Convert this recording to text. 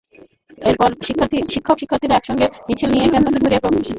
এরপর শিক্ষক-শিক্ষার্থীরা একসঙ্গে মিছিল নিয়ে ক্যাম্পাস ঘুরে প্রশাসন ভবনের সামনে আসেন।